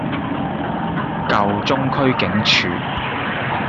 舊中區警署